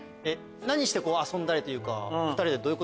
何をして遊んだりというか。